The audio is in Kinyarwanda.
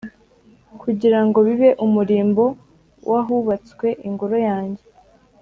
kugira ngo bibe umurimbo w’ahubatswe ingoro yanjye,